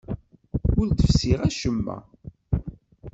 Ur d-fessiɣ acemma.